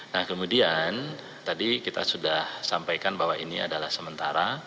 nah kemudian tadi kita sudah sampaikan bahwa ini adalah sementara